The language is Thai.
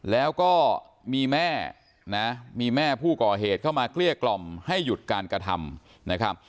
แล้วก็มีแม่ผู้ก่อเหตุเข้ามาเกลี้ยกล่อมให้หยุดการกระทำ